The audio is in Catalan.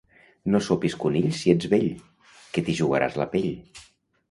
No sopis conill si ets vell, que t'hi jugaràs la pell.